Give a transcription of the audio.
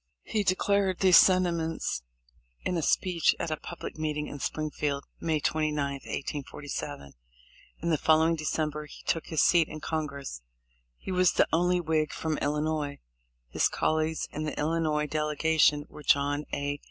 He declared these sentiments in a speech at a public meeting in Springfield, May 29, 1847. In the following December he took his seat in Congress. He was the only Whig from Illinois. His col leagues in the Illinois delegation were John A.